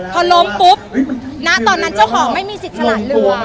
พอล้มปุ๊บณตอนนั้นเจ้าของไม่มีสิทธิ์สลายเรือ